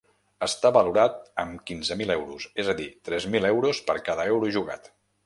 Està valorat amb quinze mil euros, és a dir, tres mil euros per cada euro jugat.